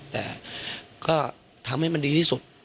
แต่ก็ทำให้มันดีที่สุด